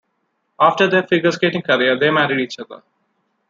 After their figure skating career they married each other.